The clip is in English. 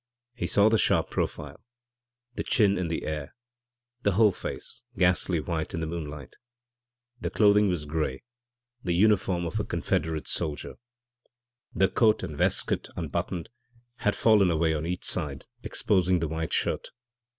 He saw the sharp profile, the chin in the air, the whole face, ghastly white in the moonlight. The clothing was grey, the uniform of a Confederate soldier. The coat and waistcoat, unbuttoned, had fallen away on each side, exposing the white shirt.